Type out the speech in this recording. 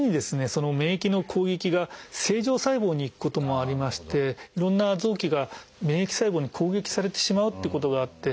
その免疫の攻撃が正常細胞にいくこともありましていろんな臓器が免疫細胞に攻撃されてしまうっていうことがあって。